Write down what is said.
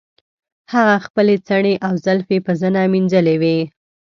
هغې خپلې څڼې او زلفې په زنه مینځلې وې.